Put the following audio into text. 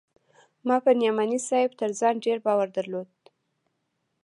ما پر نعماني صاحب تر ځان ډېر باور درلود.